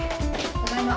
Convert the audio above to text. ただいま。